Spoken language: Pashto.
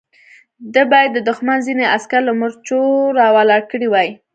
ده بايد د دښمن ځينې عسکر له مورچو را ولاړ کړي وای.